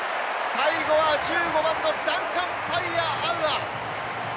最後は１５番のダンカン・パイアアウア！